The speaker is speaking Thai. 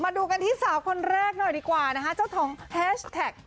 ดูกันที่สาวคนแรกหน่อยดีกว่านะคะเจ้าของแฮชแท็ก